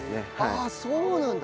ああそうなんだ。